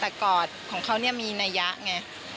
แต่กอดของเขาเนี่ยมีนัยะไง